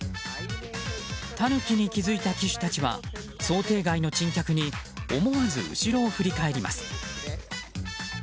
タヌキに気付いた騎手たちは想定外の珍客に思わず、後ろを振り返ります。